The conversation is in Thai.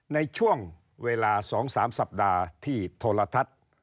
ในช่วงเวลา๒๓สัปดาห์ที่โทรทัศน์